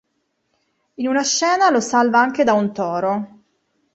In una scena lo salva anche da un toro.